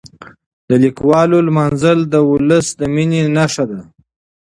د لیکوالو لمانځل د ولس د مینې نښه ده.